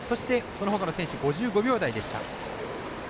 そのほかの選手は５５秒台でした。